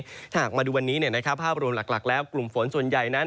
ถ้าหากมาดูวันนี้ภาพรวมหลักแล้วกลุ่มฝนส่วนใหญ่นั้น